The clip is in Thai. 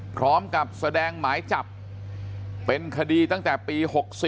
พร้อมกับแสดงหมายจับเป็นคดีตั้งแต่ปี๖๔